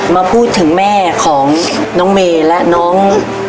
มาพูดถึงแม่ของน้องเมย์และน้อง